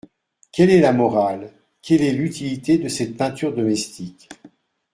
Quelle est la morale, quelle est l’utilité de cette peinture domestique ?